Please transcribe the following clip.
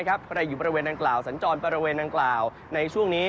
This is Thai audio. ใครอยู่สัญจรบริเวณดังกล่าวในช่วงนี้